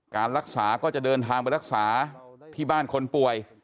การรักษาก็จะเดินทางไปรักษาที่บ้านคนป่วย